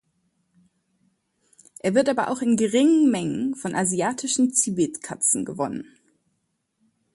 Er wird aber auch in geringen Mengen von Asiatischen Zibetkatzen gewonnen.